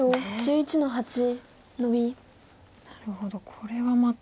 なるほどこれはまた。